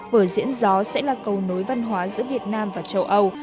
vở diễn gió sẽ là cầu nối văn hóa giữa việt nam và châu âu